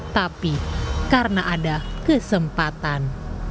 tapi karena ada kesempatan